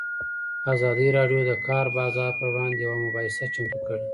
ازادي راډیو د د کار بازار پر وړاندې یوه مباحثه چمتو کړې.